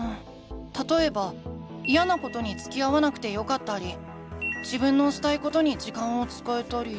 たとえばイヤなことにつきあわなくてよかったり自分のしたいことに時間を使えたり。